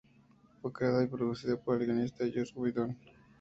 Fue creada y producida por el guionista Joss Whedon.